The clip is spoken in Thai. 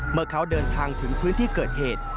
เมื่อเขาเดินทางถึงพื้นที่เกิดเหตุ